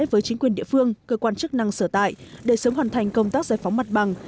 với chính quyền địa phương cơ quan chức năng sở tại để sớm hoàn thành công tác giải phóng mặt bằng